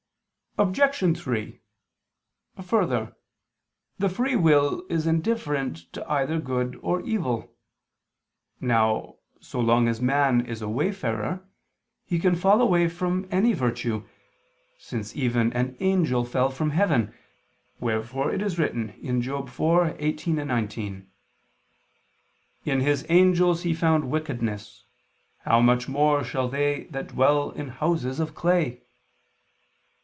Obj. 3: Further, the free will is indifferent to either good or evil. Now, so long as man is a wayfarer, he can fall away from any virtue, since even an angel fell from heaven, wherefore it is written (Job 4:18, 19): "In His angels He found wickedness: how much more shall they that dwell in houses of clay?"